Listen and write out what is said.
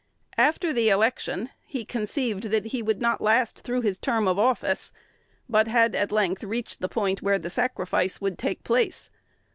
After the election, he conceived that he would not "last" through his term of office, but had at length reached the point where the sacrifice would take place.